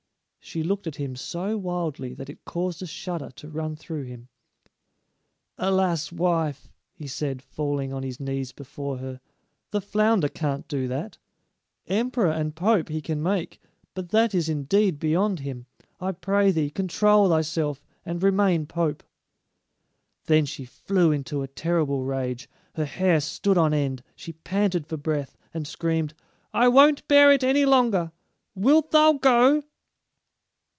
She looked at him so wildly that it caused a shudder to run through him. "Alas, wife," he said, falling on his knees before her, "the flounder can't do that. Emperor and pope he can make, but that is indeed beyond him. I pray thee, control thyself and remain pope." Then she flew into a terrible rage. Her hair stood on end; she panted for breath, and screamed: "I won't bear it any longer; wilt thou go?"